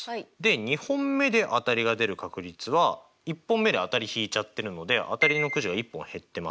２本目で当たりが出る確率は１本目で当たり引いちゃってるので当たりのくじは１本減ってます。